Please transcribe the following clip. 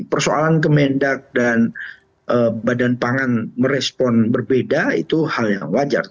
persoalan kemendak dan badan pangan merespon berbeda itu hal yang wajar